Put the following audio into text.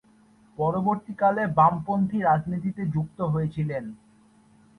পরবর্তী কালে বামপন্থী রাজনীতিতে যুক্ত হয়েছিলেন।